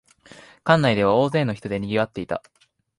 館内では大勢の人でにぎわっていた